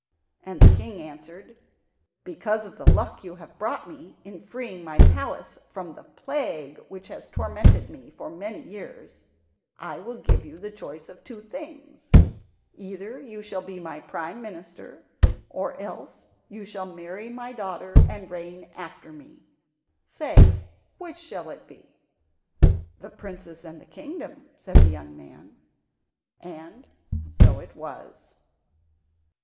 And the King answered: "Because of the luck you have brought me, in freeing my palace from the plague which has tormented me for many years, I will give you the choice of two things. Either you shall be my Prime Minister, or else you shall marry my daughter and reign after me. Say, which shall it be?" "The princess and the kingdom," said the young man. And so it was.